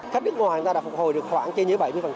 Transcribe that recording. khách nước ngoài đã phục hồi được khoảng trên bảy mươi